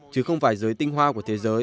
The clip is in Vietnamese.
chứ không phải giới tinh hoa của thế giới